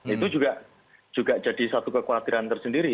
itu juga jadi satu kekhawatiran tersendiri